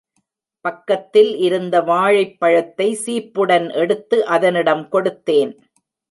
பக்கத்தில் இருந்த வாழைப்பழத்தை சீப்புடன் எடுத்து அதனிடம் கொடுத்தேன்.